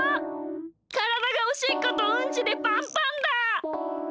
からだがおしっことうんちでパンパンだ！